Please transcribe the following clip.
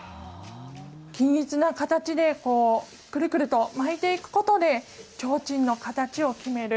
均一な形でこう、くるくると巻いていくことでちょうちんの形を決める